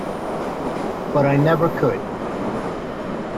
But I never could!